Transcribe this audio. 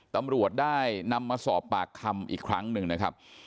ตำรวจได้นำมาสอบปากคำอีกครั้งหนึ่งนะครับ